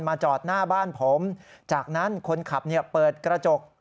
จอดหน้าบ้านผมจากนั้นคนขับเปิดกระจก